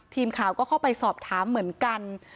ทีมข่าวก็เข้าไปสอบถามเหมือนกัน